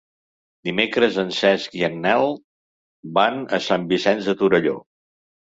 Dimecres en Cesc i en Nel van a Sant Vicenç de Torelló.